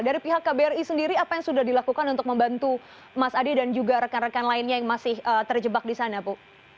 dari pihak kbri sendiri apa yang sudah dilakukan untuk membantu mas ade dan juga rekan rekan lainnya yang masih terjebak di sana bu